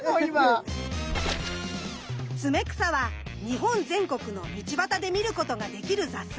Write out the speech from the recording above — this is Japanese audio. ツメクサは日本全国の道端で見ることができる雑草。